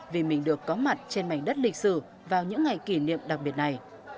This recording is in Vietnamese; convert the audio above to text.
vì mình được có mặt trên mảnh đất lịch sử vào những ngày kỷ niệm đặc biệt này